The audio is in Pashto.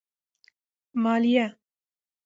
مالیه